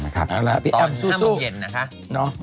ตอนนี้ห้ามกล่องเย็น